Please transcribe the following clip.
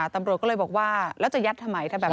ตำรวจก็เลยบอกว่าแล้วจะยัดทำไมถ้าแบบนั้น